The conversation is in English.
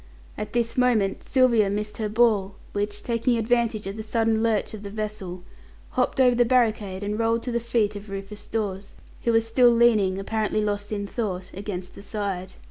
At this moment Sylvia missed her ball, which, taking advantage of a sudden lurch of the vessel, hopped over the barricade, and rolled to the feet of Rufus Dawes, who was still leaning, apparently lost in thought, against the side.